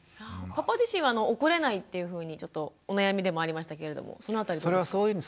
パパ自身は怒れないっていうふうにお悩みでもありましたけれどもその辺りどうですか？